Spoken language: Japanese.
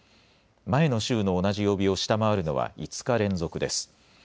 前の週の同じ曜日を下回るのは５日連続です。